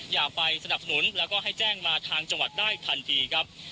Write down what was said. อย่าไปสนับสนุนแล้วก็ให้แจ้งมาทางจังหวัดได้ทันทีครับ